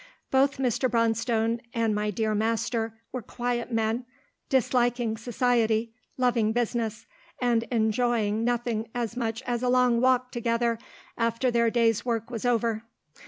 Both Mr. Bonstone and my dear master were quiet men, disliking society, loving business, and enjoying nothing as much as a long walk together after their day's work was over.